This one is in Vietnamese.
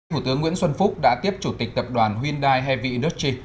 thủ tướng nguyễn xuân phúc đã tiếp chủ tịch tập đoàn hyundai heavy industries